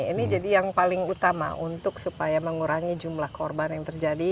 ini jadi yang paling utama untuk supaya mengurangi jumlah korban yang terjadi